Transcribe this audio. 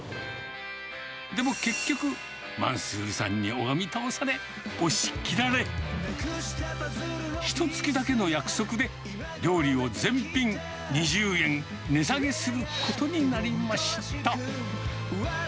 でも、結局、マンスールさんに拝み倒され、押し切られ、ひとつきだけの約束料理を全品２０円値下げすることになりました。